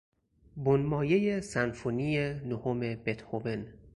بنمایهی سمفونی نهم بتهوون